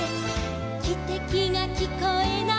「きてきがきこえない」